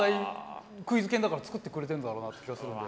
クイズ研だから作ってくれてるんだろうなって気がするんで。